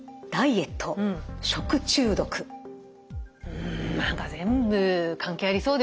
うん何か全部関係ありそうですけどね。